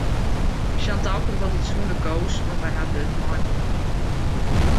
Chantal komt altyd sûnder Koos want wy hawwe wurden mei him hân.